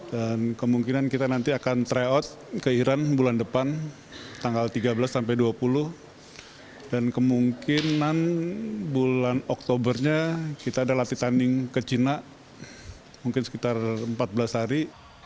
dan kemungkinan kita nanti akan try out ke iran bulan depan tanggal tiga belas sampai dua puluh dan kemungkinan bulan oktobernya kita ada latihan tanning ke china mungkin sekitar empat belas hari